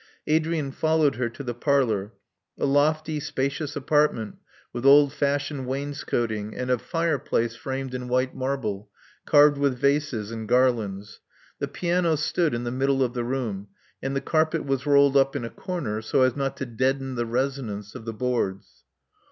Adrian followed her to the parlor, a lofty, spacious apartment with old fashioned wainscotting, and a fire place framed in white marble, carved with vases and garlands. The piano stood in the middle of the room; and the carpet was rolled up in a comer, so as not to deaden the resonance of the boards.